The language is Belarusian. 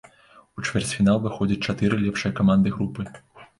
У чвэрцьфінал выходзяць чатыры лепшыя каманды групы.